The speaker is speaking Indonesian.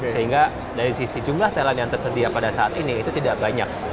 sehingga dari sisi jumlah talent yang tersedia pada saat ini itu tidak banyak